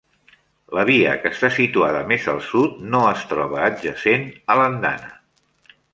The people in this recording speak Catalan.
La via que està situada més al sud no es troba adjacent a l'andana.